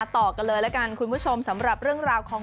ต่อกันเลยละกันคุณผู้ชมสำหรับเรื่องราวของ